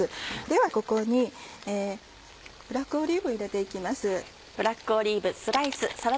ではここにブラックオリーブを入れて行きます。